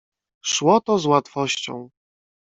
"Szło to z łatwością."